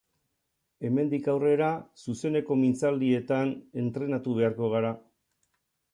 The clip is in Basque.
Hemendik aurrera zuzeneko mintzaldietan entrenatu beharko gara.